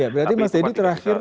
berarti mas dedy terakhir